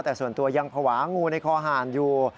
แต่ส่วนตัวยังภาวะงูในคอหารอยู่